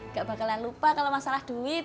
gak bakalan lupa kalo masalah duit